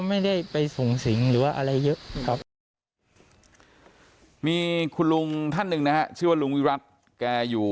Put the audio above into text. มีรุงท่านนึงนะครับชื่อว่าลุงวิรักษ์